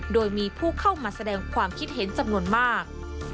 โดยมีผู้เข้ามาแสดงความคิดเห็นจำนวนมาก